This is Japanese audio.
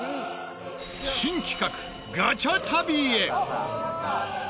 新企画ガチャ旅へ。